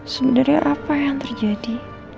sebenarnya apa yang terjadi